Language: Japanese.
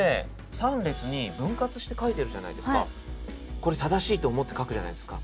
これ正しいと思って書くじゃないですか。